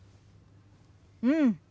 うん。